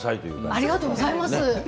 ありがとうございます。